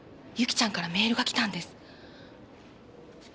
由起ちゃんからメールが来たんです。